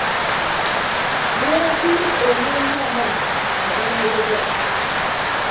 Lwaki onywa nnyo amazzi aganyogoga?